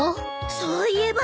そういえば。